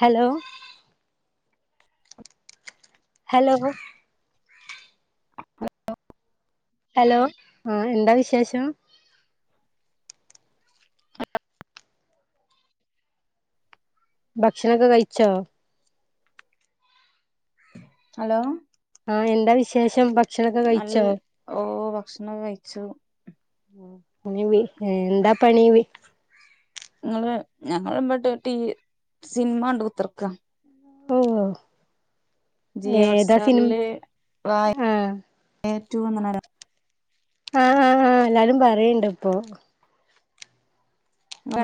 Hello hello hello ആ എന്താ വിശേഷം ഭക്ഷണൊക്കെ കയിച്ചോ ഹലോ ആ എന്താ വിശേഷം ഭ നൽ ഓ ഭക്ഷണ [unintelligible] കഴിച്ചു പണവി എന്താ പണീ വി ഇങ്ങള് ഞങ്ങള്മ്പട്ട് ടി സിനിമ അണ്ട് കുത്തെർക്കാ ഉവ്വോ ജിയോ ഏതാസിനിം ഹോട്ട്സ്റ്റാറില് ആഹ് റ്റു വന്ന്ണ്ണേലോ ആഹ് ആ ആ എല്ലാരും പറയണ്ട് ഇപ്പൊ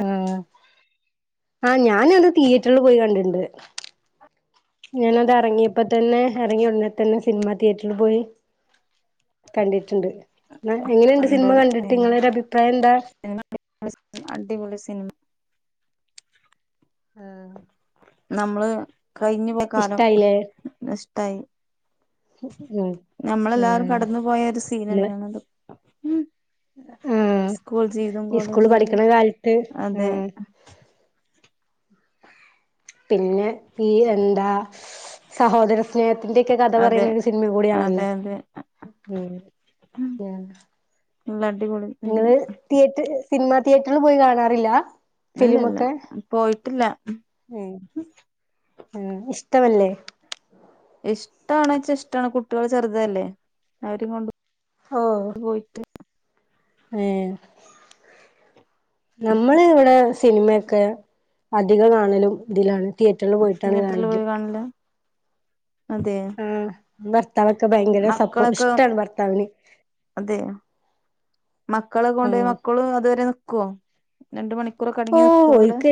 ആഹ് ആ ഞാൻ അത് തീയേറ്ററില് പോയി കണ്ടിണ്ട് ഞാൻ അത് അറങ്ങിയപ്പോ തന്നെ എറങ്ങിയ ഉടനെ തന്നെ സിനിമ തിയേറ്ററിൽ പോയി കണ്ടിട്ടുണ്ട് എങ്ങനെയുണ്ട് കണ്ട് സിനിമ കണ്ടിട്ട് നിങ്ങളൊരു അഭിപ്രായം എന്താ അടിപൊളി സിനിമ ആഹ് നമ്മള് കഴിഞ്ഞു പോയ കാലം ഇഷ്ടായില്ലേ നൊസ് ടായി ഉം നമ്മളെല്ലാരും കടന്നു പോയ ഒരു ഉം സീനന്നേണത് ആഹ് സ്കൂൾ ജീവിതം കോളേജ് ഇസ്കൂള് ജീവിതം പഠിക്കണ കാലത്ത് അതെ ഉം പിന്നെ ഈ എന്താ സഹോദര സ്നേഹത്തിന്റെ ഒക്കെ കഥ അതെ പറയണ ഒരു സിനിമേം കൂടെ അതെ ആണല്ലോ അതെ ഉം ഉം [unintelligible] അടിപൊളി സിൽമ സിനിമാ തിയേറ്ററിൽ പോയി കാണാറില്ലാ? ഇല്ലല്ല പോയിട്ടില്ല. ഉം ഇഷ്ടമല്ലേ? ഇഷ്ടാണെച്ചാ ഇഷ്ട്ടാണ് കുട്ട്യോള് ചെറുതല്ലേ അവരേം കൊണ്ട് പോയിട്ട് ഏ നമ്മള് ഇവിടെ സിനിമയൊക്കെ അധികം കാണലും ഇതിലാണ് തിയേറ്ററില് പോയിട്ടാണ് തിയേറ്ററിൽ കാണല് പോയി കാണില്ല അതെ ആഹ് ന [unintelligible] ഭർത്താവൊക്ക ഭയങ്കര സപ്പോ മക്കളൊക്കെ ഇഷ്ട്ടാണ് ഭർത്താവിന്. മക്കള ഉം കൊണ്ടുപോയി മക്കളും അതുവരെ കൊ രണ്ട് മണി ഓ ഓര്ക്ക്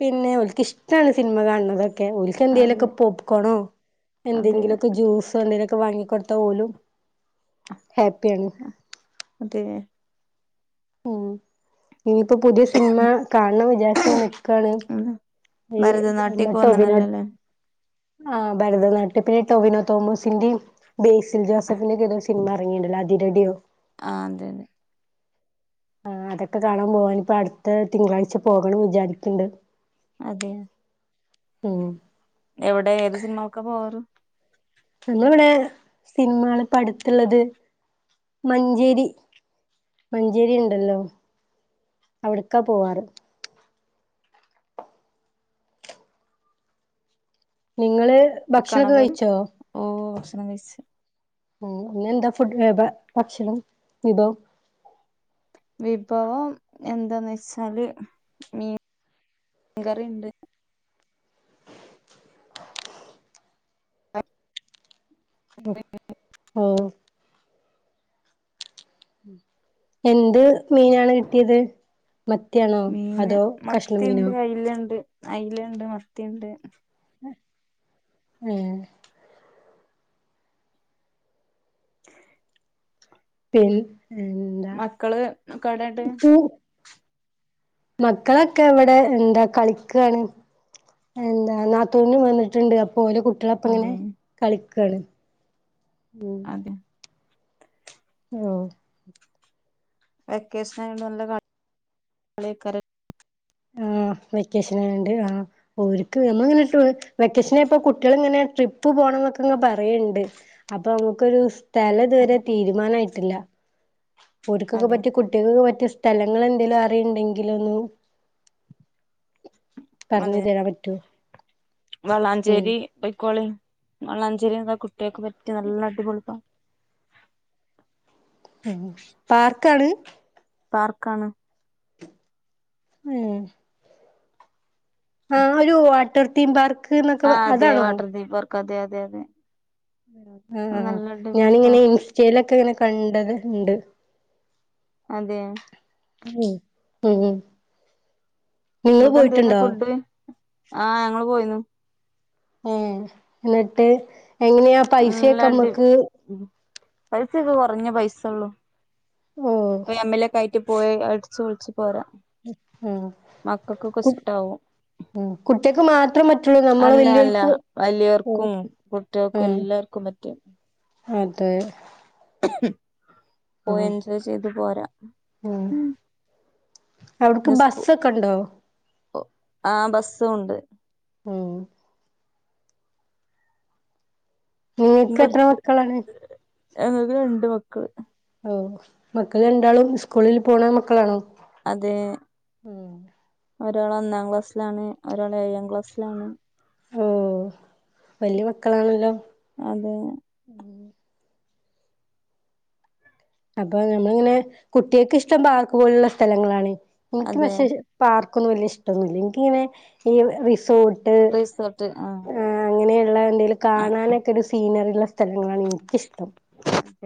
പിന്നെ ഓര്ക്ക് ഇഷ്ടാണ് സിനിമ കാണുന്നതൊക്കെ ഓൾക്ക് അതെ എന്തേലുമൊക്കെ പോപ്കോണോ അതെ എന്തെങ്കിലുമൊക്കെ ജ്യൂസോ എന്തെലൊ വാങ്ങിക്കൊടുത്താ ഓലും ഹപ്പിയാണ് അതെ ആഹ് ഇനിപ്പോ പുതിയ സിനിമ കാണണം വിചാരിച്ചിങ്ങനെ നിക്കാണ് ഇ ഭരതനാട്യൊക്കെ ടൊവിനോടെ വന്നണല്ലോല്ലേ ആഹ് ഭരതനാട്യത്തിലെ ടൊവിനോ തോമോസിന്റെയും ബേസിൽ ജോസഫിന്റെ ഒക്കെ സിനിമ ഇറങ്ങിയിട്ടിണ്ടല്ലോ അതിരടിയോ ആഹ് അതന്നെ ആ അതൊക്കെ കാണാൻ പോവാൻ ഇപ്പോ അടുത്ത തിങ്കളാഴ്ച പോകണം വിചാരിക്കിണ്ട് അതെ ആഹ എവിടെ ഏത് സിനിമക്ക പോവാറ് നമ്മിളിടെ സിനിമകൾ ഇപ്പോ അടുത്തുള്ളത് മഞ്ചേരി മഞ്ചേരി ഉണ്ടല്ലോ അവിടക്കാ പോവാറ് നിങ്ങള് കാണാൻ ഭക്ഷണൊക്കെ പോവല് കഴിച്ചോ ഓ [unintelligible] ഉ പിന്നെ എന്താ ഫുഡ് ഭക്ഷണം വിഭവം വിഭവം എന്താന്ന് വെച്ചാല് മീൻ മീൻ കറിയുണ്ട് അ് ആഓ എന്ത് മീനാണ് കിട്ടിയത് മത്തിയാണോ മീന് അതോ കഷ്ണം മീനോ അയിലുണ്ട് മത്തിയുണ്ട് ഉം ശ പിൻ മക്കള്ക്കവിടെയിണ്ട് പൂ മക്കളൊക്കെ ഇവിടെ എന്താ കളിക്കാണ് എന്താ നാത്തൂനും വന്നിട്ടുണ്ട് ഓളെ കുട്ടികളൊപ്പ അതെ ഇങ്ങനെ കളിക്ക [unintelligible] അതെ ഓ വെക്കേഷൻ ആയി നല്ല [unintelligible] ആ വെക്കേഷന ആണ്ട് ആക്ക് നമ്മ ഇങ്ങനെ വെക്കേഷനയപ്പോ കുട്ടികൾ ഇങ്ങനെ ട്രിപ്പ് പോണം എന്നൊക്കെ ഇങ്ങെ പറയുണ്ട് അപ്പൊ നമുക്കൊരു സ്ഥലം യത്‌വരെ അതെ തീരുമാനമായിട്ട് ട്ടല്ല [unintelligible] അതെ പറ്റി കുട്ടികൾക്ക് പറ്റി സ്ഥലങ്ങൾ എന്തെങ്കലും അറിണ്ടെങ്കിലൊന്നു അതെ ഉം വളാഞ്ചേരി പൊയ്ക്കോളി [unintelligible] ഒക്കെ പറ്റി നല്ല അടിപൊളി പാർ പാർക്കാണ് പാർക്കാണ് മ്മ് ആ ഒരു വാട്ടർ തീം പാർക്ക് എന്നൊക്കെ ആ അതെ അതാണോ വാട്ടർ തീം പാർക്ക് അതെ അതെ അതെ ആ ആ നല്ല അടിപൊളി ഞാനിങ്ങനെ പാർക്ക് ഇൻസ്റ്റയിലൊ ങ്ങനെ കണ്ടത് ഇണ്ട് അതെ ഉം ഉം ഉം നിങ്ങള് നിങ്ങൾക്ക് എന്തായിരുന്നു പോയിട്ടുണ്ടോ ഫുഡ് ആ ഞങ്ങള് പോയിന്നു. ഏഹ് എന്നിട്ട് എങ്ങനെയാ നല്ല പൈസൊക്കെ അടി നമ്മക്ക് പൈസൊക്കെ കൊറഞ്ഞ പൈസൊള്ളു ഓഹ് [unintelligible] പോയി അടിച്ചുപൊളിച്ച് പോരാം ആഹ് മക്കക്കൊക്കെ കു ഇഷ്ട്ടാവും ഉം കുട്ട്യേക്ക് മാത്രം പറ്റുള്ളൂ നമ്മള് അല്ല അല്ല വല്ല്യോൽക്ക് ഉം വലിയവർക്കും കുട്ടികൾക്കും ഉം എല്ലാർക്കും പറ്റും അതെ ഉം പോയി എൻജോയ് ചെയ്ത് പോരാ ഉം പിന്നെ അവിടക്ക് സ്കൂ ബസ്സൊക്കെ ഇണ്ടോ ആ ബസ്സു ഉണ്ട് ഇം നീക്ക് എത്ര മക്കളാണ് ഞങ്ങക്ക് രണ്ട് മക്കള് കൂളിൽ പോണ മക്കളാണോ അതെ ഉം ഒരാള് ഒന്നാം ക്ലാസ്സ്ലാണ് ഒരാള് ഏഴാം ക്ലാസ്സ്ലാണ് ഓ വല്ല്യ മക്കളാണല്ലോ അതെ അപ്പൊ നമ്മള്ങ്ങനെ കുട്ട്യാ ക്ക്ഇഷ്ടം പാർക്ക് പോലുള്ള സ്ഥലങ്ങളാണ് ഇൻക്ക് അതെ പക്ഷെ പാ ക്കൊന്നും വല്ല്യ ഇഷ്ടൊന്നുല്ല ഇൻ ക്കിങ്ങനെ ഈ റി റിസോർട്ട് ആ അങ്ങനെള്ള ണ്ടീല് ആ കാണാനൊക്കെ ഒരു സീനറി ഇള്ള സ്ഥലങ്ങാണ് ഇൻക്കിഷ്ടം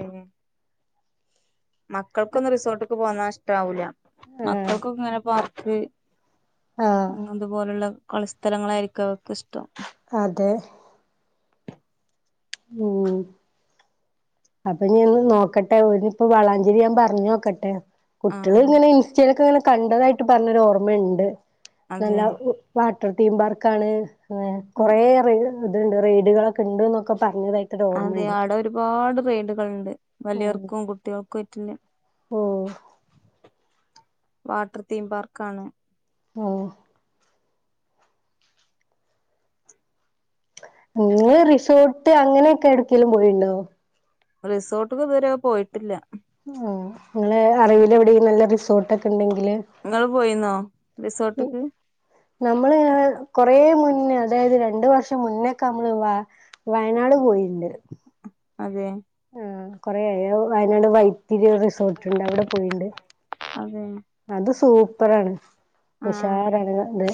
ഉം മക്കൾക്കൊന്ന് റിസോട്ട്ക്ക് പോന്നാഷ് ട്ടാഊല ആഹ് മക്കൾക്കൊക്ങ്ങനെ പാർ വീ ആഹ് ഹ് തുപോലുള്ള കൊള സ്ഥലങ്ങളായിരിക്കും അവ അതെ മൂ അപ്പൊ ഞ്ഞ്ന്ന് നോക്കട്ടെ ഓനിപ്പോ വളാഞ്ചേരി നാം പർഞ്ഞൊക്കട്ടെ ആ കുട്ടികള് ങ്ങനെ ഇൻസ്റ്റേലൊക്കെങ്ങനെ കണ്ടതായിട്ട് പർഞ്ഞൊരോർമ്മണ്ട് അതെ തല്ലാം [unintelligible] അത് തീം പാർക്കാണ് തെ ആ കൊറേറെയിട് അത്ണ്ട് റെയ്ഡുകളൊക്ക ണ്ട് ന്നൊക്ക- അതെ ആടെ ഒരുപാട് റൈഡ് ഉണ്ട് ഉം വല്യോർക്കും കുട്ട്യാൾക്കു അയ്റ്റുല്ലെ ഉം വാട്ടർത്തീം പാർക്കാണ് പോഹ് നിങ്ങള് റിസോർട്ട് അങ്ങനെയൊക്ക എട് ക്കേലും പോയിട്ട്ണ്ടോ റിസോട്ട്ക്ക് തുവരെ പോയിട്ടില്ല ങ്ങളെ അറിവിലവിടേം നല്ല റിസോട്ടൊക്ക ണ്ടെങ്കി ല് നിങ്ങൾ പോയിന്നോ റിസോർട്ട്ക്ക് നമ്മള്- കൊറേ മുന്നേ അതായത് രണ്ടു വർഷം മുന്നേക്കെ നമ്മള് വ വയനാട് പോയിട്ട്ണ്ട് അതെ ആ കൊറേ ആയോ വയനാട് വൈ ത്തിരി റിസോർട്ടുണ്ട് അവിടെ പോയിട്ട്ണ്ട് അതെ അത് സൂപ്പറാണ് ആഹ് ഉഷാറാണ് അത്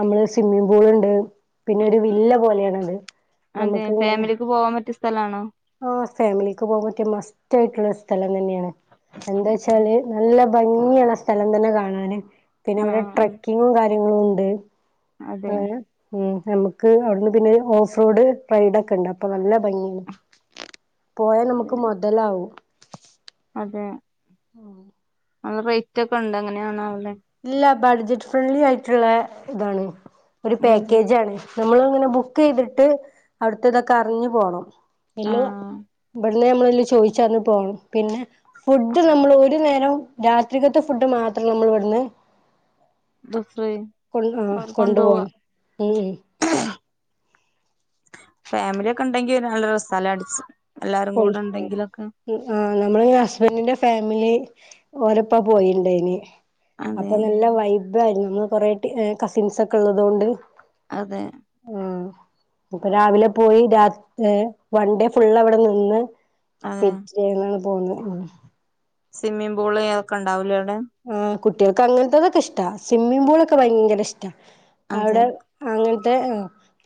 നമ്മള്സ് ത്തിമ്മിംഗ് പൂളുണ്ട് പിന്നെ ഒരു വില്ല പോലെയാണത് നമുക്ക്ങ്ങനെ തലാണോ ആ ഫാമിലിക്ക് പോകാൻ പറ്റിയ മസ്റ്റായിട്ടുള്ള സ്ഥലം അതന്നെയാണ് അതെ എന്താച്ചാല് നല്ല ഭംഗി ങ്ങിള്ള സ്ഥലം തന്നെ കാണാന് പിന്നെ അവിടെ ആഹ് ട്രക്കിങ്ങും കാര്യ എണും ണ്ട് അതെ ആ ഉം നമുക്ക് അവിടുന്ന് പിന്നെ ഓഫ് റോഡ് റൈഡ് ഒക്കെ ഉണ്ട് അപ്പൊ നല്ല ഭംഗിയാണ് പോയാ നമുക്ക് അതെ മൊതലാവും അതെ ആ ആ റേറ്റൊക്കെണ്ടോ എങ്ങനെയാണാവോ ലേ ഇല്ലപ് ബഡ്ജറ്റ് ഫ്രണ്ട്ലി ആയിട്ടുള്ള ഇതാണ് ഒരു അതെ പാക്കേജാണ് നമ്മൾ ഇങ്ങനെ ബുക്ക് ചെയ്തിട്ട് അവിടുത്ത ഇതൊക്കെ അറിഞ്ഞ് പോണം ഇല്ലോ ആഹ് ബഡ് അന്നേ നമ്മളതിൽ ചോദിച്ചറിഞ്ഞ് പോകണം പിന്നെ ഫുഡ് നമ്മള് ഒരു നേരം രാത്രിക്കത്തെ ഫുഡ് മാത്രം നമ്മള് ഇവിടുന്ന് [unintelligible] കൊണ്ടു ആ അവര് കൊണ്ടു പോവണം ഉം ഉം ഫാമിലിയൊക്കെ ണ്ടെങ്കിൽ നല്ല രസാലേ അടിച്ചു ആ നമ്മള് ഹസ്ബൻഡിന്റെ ഫാമിലി ഓരപ്പ പോയിണ്ടേയിനി അതെ അപ്പൊ നല്ല വൈ ഇതായിരുന്നു കുറേ കസിൻസ് ഒക്കെ ഉള്ളതുകൊണ്ട് അതെ അപ്പൊ രാവിലെ പോയി രാ ഏ വൺ ഡേ ഫുള് അവിടെന്ന് ന്ന്ന് അതെ പിറ്റേന്ന് പോന്നു സ്വിമ്മിംഗ് പൂള് അതൊക്കെണ്ടാവല് ആഹ് കുട്ടികൾക്ക് അങ്ങനത്തെതൊക്കെ ഇഷ്ട സ്വിമ്മിഗ്പൂളൊക്കെ ഭയങ്കര ഇഷ് അതെ അവിടെ അങ്ങന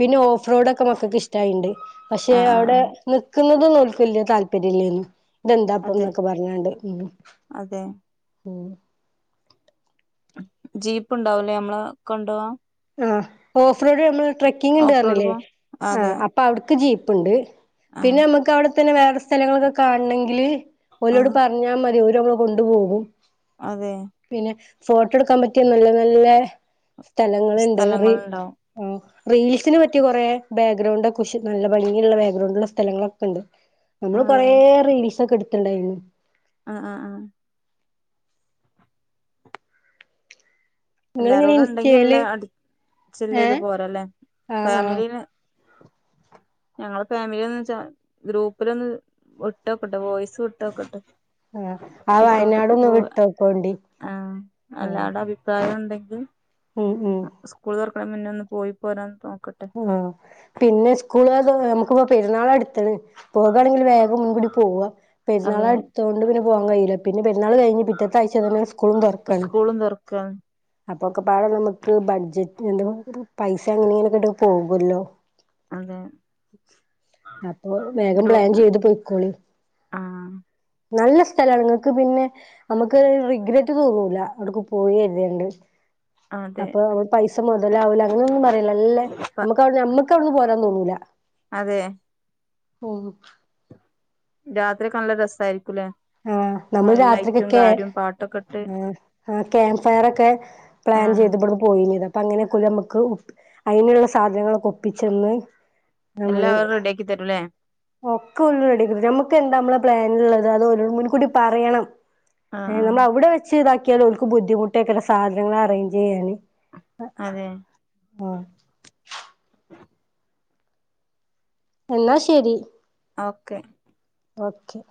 പിന്നെ ഓഫ് റോഡൊക്കെ മക്കൾക്ക് ഇഷ്ടമായിണ്ട് പക്ഷെ ആ ആ ആ അവിടെ നിക്ക നിക്കുന്നതന്നതൊന്നും ഓൽക്ക് വല്ല്യ താല്പര്യല്ലേനി അതെ ഇതെന്താപ്പന്നൊക്കെ പറഞ്ഞാണ്ട് അതെ ഉം ജീപ്പ് ഉണ്ടാവില്ലേ നമ്മളെ കൊണ്ടുപോവാൻ ആ ഓഫ്റോഡ് നമ്മള് ട്രക്കിംഗ് ഓഫ് റോഡ് ഉണ്ടാവൂലേ പോവാൻ ആ അതെ അപ്പൊ അവർക്ക് ജീപ്പ് ഉണ്ട് ആ പിന്നെ നമ്മുക്ക് അവിടെ പിന്നെ വേറെ സ്ഥലങ്ങളൊക്കെ കാണണെങ്കില് ആ ഓലോട് പറഞ്ഞാൽ മതി ഒ നമ്മള കൊണ്ടുപോകും അതെ ഫോട്ടോ എടുക്കാൻ പറ്റിയ നല്ല നല്ല സ്ഥ സ്ഥലങ്ങളുണ്ട് റീ സ്ഥലങ്ങളുണ്ടാവും ആ റീൽസിന് പറ്റിയ കുറെ ബാക്ക്ഗ്രൗണ്ട് ഒക്കെ കുശ് നല്ല ഭംഗിയുള്ള ബാക്ക്ഗ്രൗണ്ട് ഉള്ള സ്ഥലങ്ങളൊക്കെ ഉണ്ട് ഞങ്ങള് കൊറേ അതെ റീല്സ് ഒക്കെ എടു റ്റ്ണ്ടായിരുന്നു ആ ആ ആ നിങ്ങളിങ്ങനെ എല്ലാരോടും ഉണ്ടെങ്കി ഇൻസ്റ്റേല് അല്ല അടിച്ച് ചില്ലയ്ത് ഏഹ് പോരല്ലെ ആഹ് ആഹ് ഫാമിലീനെ ഞങ്ങള് ഫാമിലിന്ന്വെച്ച ഗ്രൂപ്പിലൊന്ന് ഇട്ടോക്കട്ടെ വോയ്സ് വിട്ടോക്കട്ടെ ആഹ് ആ റിസോർട്ട്ക്ക് വയനാടൊന്ന് പോവാ വിട്ടോക്കോണ്ടി ആഹ് ആഹ് അല്ലാർട അഭിപ്രായം ഉണ്ടെങ്കി ഉ ഉം ഉം അടെ മുന്നെ ഒന്ന് പൊയ്പോരാന്ന് തോ ആഹ് പിന്നെ സ്കൂ [unintelligible] നമുക്കിപ്പോ പെരാനാളടു ത്ത്ണ് പോകാണെങ്കിൽ വേഗം മുൻകൂടി പോവാ അതെ പെരുന്നാളടുത്തോണ്ട് പിന്നെ പോവാൻ കയ്യൂല പിന്നെ പെരുന്നാൾ കഴിഞ്ഞ് പിറ്റത്തെ ആഴ്ച തന്നെ സ്കൂളും തൊറക്കാണ് സ്കൂളും തുറക്കാണ് അപ്പൊക്കെപാടെ നമ്മക്ക് ബഡ്ജറ്റ് എന്താപ്പോ പൈസ അങ്ങനിം ഇങ്ങനിം ഒക്കെ ഇടും പോകുല്ലോ അതെ അപ്പൊ വേഗം പ്ലാൻ ചെയ്ത് പൊയിക്കോളി ആ നല്ല സ്ഥലാണ് ഇങ്ങക്ക് പിന്നെ നമുക്ക് റിഗ്രറ്റ് തോന്നൂല അ വുട്ക്ക് പോയി കര്തിയാണ്ട് അതെ അപ്പൊ നമ്മൾ പൈസ മൊതലാവൂല അങ്ങനൊന്നും പറയൂലാ നല്ലെ പ്പ നമ്മക്ക് അവുടെ നമ്മക്ക് ക്ക് അവുട്ന്ന് പോരാൻ തോന്നൂല അതെ പോകും രാത്രിയൊക്കെ നല്ല രസായിരി ആ നമ്മൾ രാത്രിക്ക് ഒക്കെ കാര്യം പാട്ടൊക്കെ ഇട്ട് ആ ക്യാമ്പ് ഫയറൊക്കെ പ്ലാൻ ആഹ് ചെയ്ത് ഇബട്ന്ന് പോയിന്യതാ പ്പം അങ്ങനെയൊക്കെ ഓല് നമ്മക്ക് അയിന്ള്ള സാധനങ്ങളൊക്കെ ഒ പ്പിച്ചെന്ന് നമ്മൾ എല്ലാം അവര് റെഡിയാക്കി തരൂല്ലേ ഒക്കെ ഓല് റെഡി ആക്കി തരും നമ്മക്ക് എന്താ നമ്മളെ പ്ലാൻ ഉള്ളത് അത് ഓല് മുൻകൂടി പറയണം ആഹ് ആഹ് നമ്മൾ അവുടെ വെച്ച് ഇതാക്കി ക്യാണ്ട് ഓൽക്ക് ബുദ്ധിമുട്ടെയ്കാരം സാധനങ്ങൾ അറേഞ്ച് ചെയ്യാൻ അതെ ആ എന്നാ ശരി ഓക്കെ ഓക്കെ